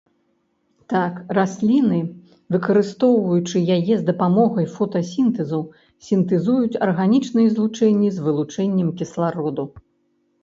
Так, расліны, выкарыстоўваючы яе з дапамогай фотасінтэзу, сінтэзуюць арганічныя злучэнні з вылучэннем кіслароду.